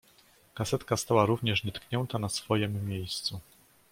"Kasetka stała również nietknięta na swojem miejscu."